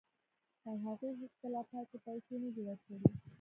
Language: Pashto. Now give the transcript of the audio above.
او هغوی هیڅکله پاتې پیسې نه دي ورکړي